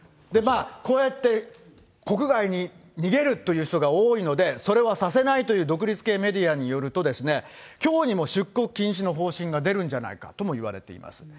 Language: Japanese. こうやって国外に逃げるという人が多いので、それはさせないという独立系メディアによると、きょうにも出国禁止の方針が出るんじゃないかともいわれています。